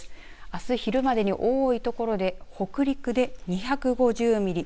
あす昼までに多い所で北陸で２５０ミリ。